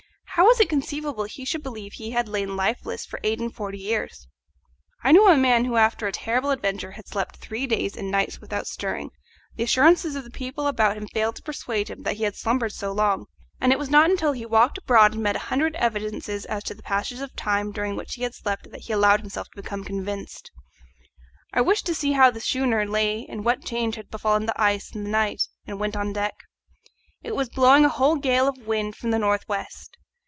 How was it conceivable he should believe he had lain lifeless for eight and forty years? I knew a man who after a terrible adventure had slept three days and nights without stirring; the assurances of the people about him failed to persuade him that he had slumbered so long, and it was not until he walked abroad and met a hundred evidences as to the passage of the time during which he had slept that he allowed himself to become convinced. I wished to see how the schooner lay and what change had befallen the ice in the night, and went on deck. It was blowing a whole gale of wind from the north west.